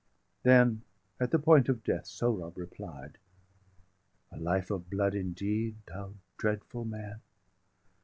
Then, at the point of death, Sohrab replied: "A life of blood indeed, thou dreadful man!